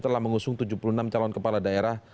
telah mengusung tujuh puluh enam calon kepala daerah